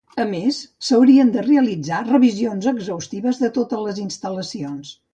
A més, s'haurien de realitzar revisions exhaustives de totes les instal·lacions.